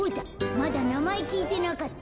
まだなまえきいてなかった。